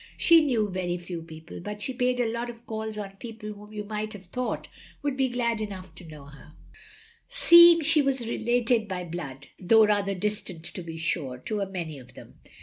" She knew very few people, but she paid a lot of calls on people whom you might have thought wotild be glad enough to know her, seeing she was related by blood (though rather distant to be sure) to a many of them.